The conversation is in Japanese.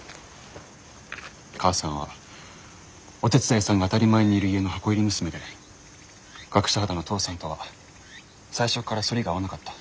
母さんはお手伝いさんが当たり前にいる家の箱入り娘で学者肌の父さんとは最初から反りが合わなかった。